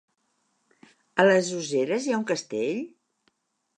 A les Useres hi ha un castell?